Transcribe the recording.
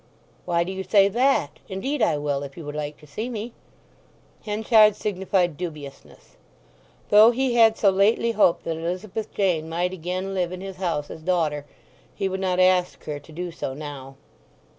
"Why do you say that? Indeed I will, if you would like to see me." Henchard signified dubiousness. Though he had so lately hoped that Elizabeth Jane might again live in his house as daughter, he would not ask her to do so now.